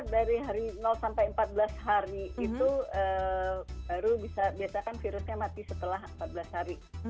dari hari sampai empat belas hari itu baru bisa biasakan virusnya mati setelah empat belas hari